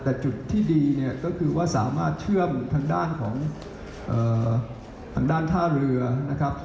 แต่จุดที่ดีก็คือว่าสามารถเชื่อมทางด้านท่าเรือนะครับ